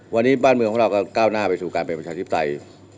วันนี้บ้านเมืองของเราก็ก้าวหน้าไปสู่การเป็นประชาธิปไตย